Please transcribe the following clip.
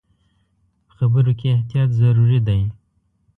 خبرو کې احتیاط ضروري دی.